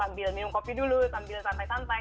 sambil minum kopi dulu sambil santai santai